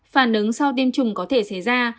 phản ứng sau tiêm chủng có thể xảy ra